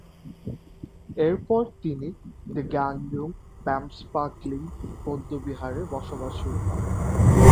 এরপর তিনি দ্গোন-লুং-ব্যাম্স-পা-গ্লিং বৌদ্ধবিহারে বসবাস শুরু করেন।